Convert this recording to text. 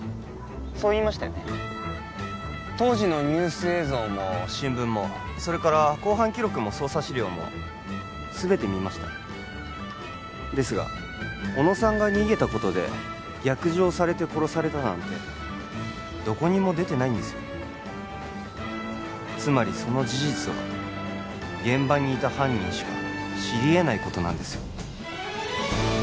そう言いましたよね当時のニュース映像も新聞もそれから公判記録も捜査資料もすべて見ましたですが小野さんが逃げたことで逆上されて殺されたなんてどこにも出てないんですよねつまりその事実は現場にいた犯人しか知り得ないことなんですよ